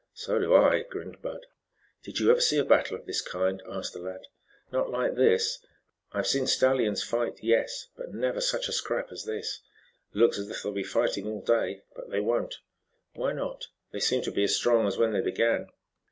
"So do I," grinned Bud. "Did you ever see a battle of this kind?" asked the lad. "Not like this. I've seen stallions fight, yes, but never such a scrap as this. Looks as if they'd be fighting all day. But they won't." "Why not? They seem as strong as when they began."